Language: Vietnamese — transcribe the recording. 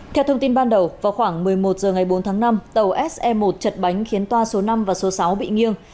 theo thông tin ban đầu vào khoảng một mươi một h ngày bốn tháng năm tàu se một chật bánh khiến toa số năm và số sáu bị nghiêng